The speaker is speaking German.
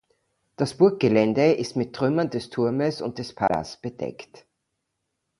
Das Burggelände ist mit Trümmern des Turmes und des Palas bedeckt.